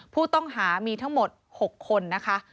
ผู้ต้องหามีทั้งหมด๖คนนะคะ